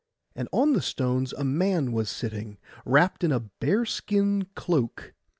And on the stones a man was sitting, wrapt in a bearskin cloak.